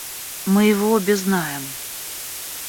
Мы его обе знаем.